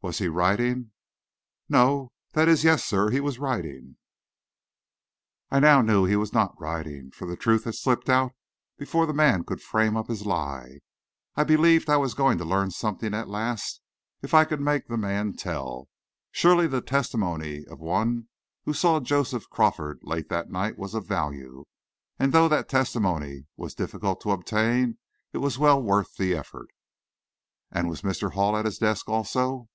"Was he writing?" "No; that is, yes, sir, he was writing." I now knew he was not writing, for the truth had slipped out before the man could frame up his lie. I believed I was going to learn something at last, if I could make the man tell. Surely the testimony of one who saw Joseph Crawford late that night was of value, and though that testimony was difficult to obtain, it was well worth the effort. "And was Mr. Hall at his desk also?"